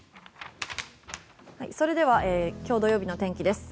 それでは今日土曜日の天気です。